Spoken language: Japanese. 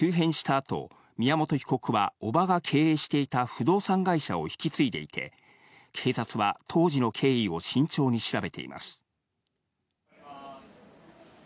あと宮本被告は、叔母が経営していた不動産会社を引き継いでいて、警察は当時の経緯を慎重に調べています。